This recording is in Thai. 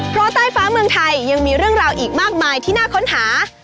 เพราะใต้ฟ้าเมืองไทยยังมีเรื่องราวอีกมากมายที่น่าค้นหา